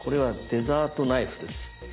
デザートナイフ。